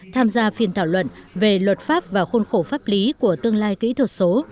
tham gia phiên thảo luận về luật pháp và khuôn khổ pháp lý của tương lai kỹ thuật số